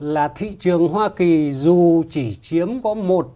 là thị trường hoa kỳ dù chỉ chiếm có một